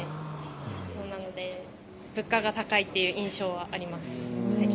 なので物価が高いという印象はあります。